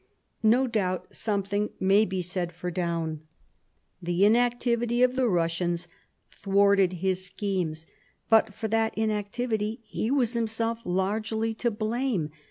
No doubt something may be said for Daun. The in activity of the Russians thwarted his schemes ; but for that inactivity he was himself largely to blame.